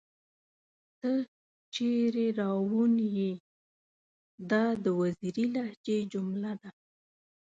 تۀ چېرې راوون ئې ؟ دا د وزيري لهجې جمله ده